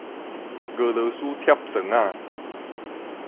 俄羅斯疊磚仔